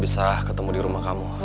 bisa ketemu di rumah kamu